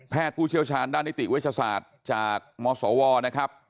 ผู้เชี่ยวชาญด้านนิติเวชศาสตร์จากมศวนะครับ